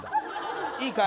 いいかい？